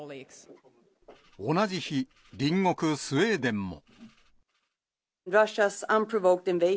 同じ日、隣国スウェーデンも。